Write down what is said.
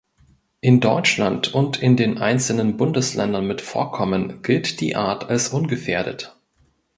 In Deutschland und in den einzelnen Bundesländern mit Vorkommen gilt die Art als ungefährdet.